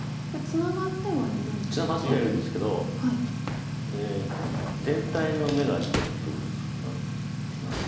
ツナがってはいるんですけど全体の眼がちょっと薄くなってます